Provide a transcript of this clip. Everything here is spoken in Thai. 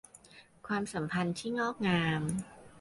ความสัมพันธ์ที่งอกงาม